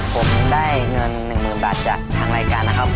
ผมได้เงิน๑๐๐๐บาทจากทางรายการนะครับ